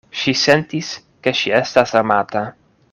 Ŝi sentis, ke ŝi estas amata.